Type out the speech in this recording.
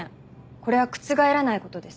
これは覆らないことです。